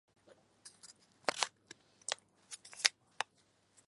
卡辛巴迪登特罗是巴西帕拉伊巴州的一个市镇。